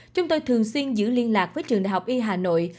chúng tôi thường xuyên giữ liên lạc với trường đh y hà nội